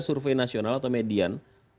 survei nasional atau median